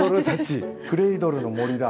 クレードルの森だ。